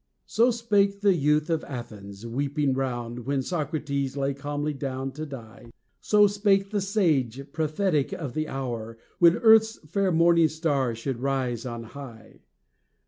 So spake the youth of Athens, weeping round, When Socrates lay calmly down to die; So spake the sage, prophetic of the hour When earth's fair morning star should rise on high.